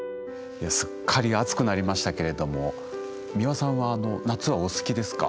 いやすっかり暑くなりましたけれども美輪さんは夏はお好きですか？